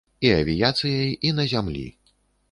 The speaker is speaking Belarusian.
І авіяцыяй, і на зямлі.